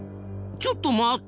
ちょっと待った！